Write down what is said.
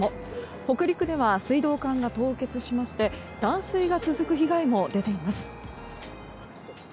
北陸では水道管が凍結しまして断水が続く被害も出ています。